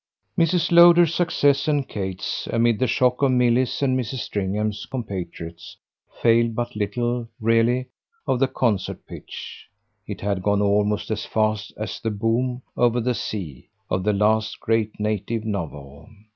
Mrs. Lowder's success and Kate's, amid the shock of Milly's and Mrs. Stringham's compatriots, failed but little, really, of the concert pitch; it had gone almost as fast as the boom, over the sea, of the last great native novel.